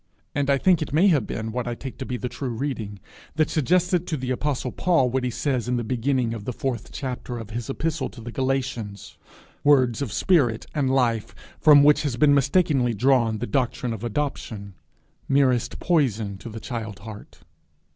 And I think it may have been what I take to be the true reading, that suggested to the apostle Paul what he says in the beginning of the fourth chapter of his Epistle to the Galatians words of spirit and life from which has been mistakenly drawn the doctrine of adoption, merest poison to the child heart.